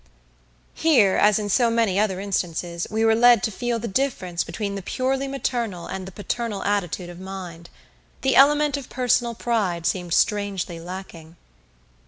Here, as in so many other instances, we were led to feel the difference between the purely maternal and the paternal attitude of mind. The element of personal pride seemed strangely lacking.